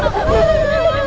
udah cepetan cepetan